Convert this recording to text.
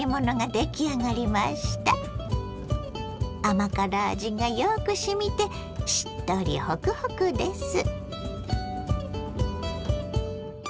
甘辛味がよく染みてしっとりホクホクです。